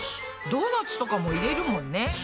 ドーナツとかも入れるもんね。